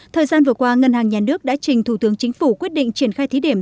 thời gian vừa qua ngân hàng nhà nước đã trình thủ tướng chính phủ quyết định triển khai thí điểm